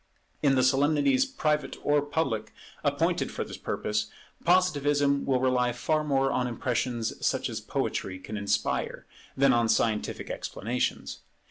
In the solemnities, private or public, appointed for this purpose, Positivism will rely far more on impressions such as poetry can inspire, than on scientific explanations.